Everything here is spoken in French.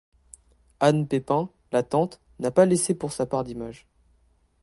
Anne Pépin, la tante, n'a pas laissé pour sa part d'image.